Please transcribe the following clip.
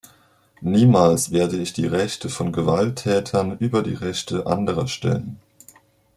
Niemals werde ich die Rechte von Gewalttätern über die Rechte anderer stellen.